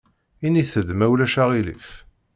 Init-d ma ulac aɣilif.